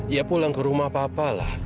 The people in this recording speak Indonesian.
ya pulang ke rumah papa lah